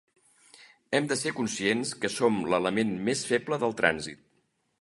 Hem de ser conscients que som l'element més feble del trànsit.